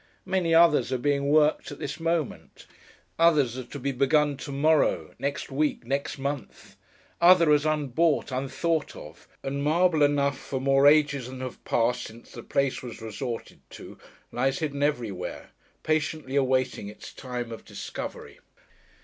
Many others are being worked at this moment; others are to be begun to morrow, next week, next month; others are unbought, unthought of; and marble enough for more ages than have passed since the place was resorted to, lies hidden everywhere: patiently awaiting its time of discovery.